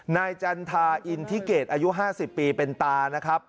จันทาอินทิเกตอายุ๕๐ปีเป็นตานะครับ